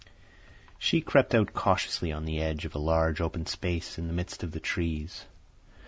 She crept out cautiously on the edge of a large open space in the midst of the trees.